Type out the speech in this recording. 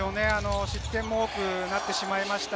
失点も多くなってしまいました。